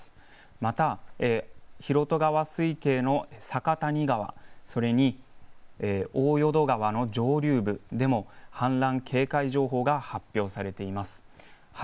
また広渡川水系の酒谷川、大淀川上流部でも氾濫警戒情報が発表されています。